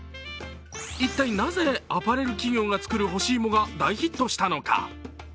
一体なぜ、アパレル企業が作る干し芋が大ヒットしたのか？